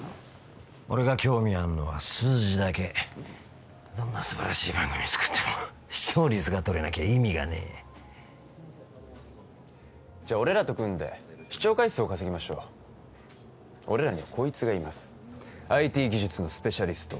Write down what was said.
俺が興味あんのは数字だけどんな素晴らしい番組作っても視聴率が取れなきゃ意味がねえじゃ俺らと組んで視聴回数を稼ぎましょう俺らにはこいつがいますＩＴ技術のスペシャリスト